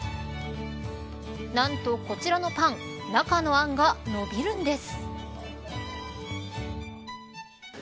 何と、こちらのパン中の餡が伸びるんです。